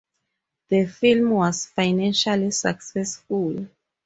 The film was financially successful.